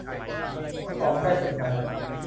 ละครใกล้จบแล้ว